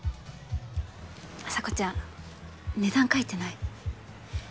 麻子ちゃん値段書いてない。